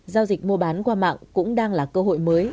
giao dịch mua bán qua mạng cũng đang là cơ hội mới